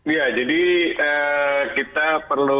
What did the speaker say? iya jadi kita perlu mempelajari bahwa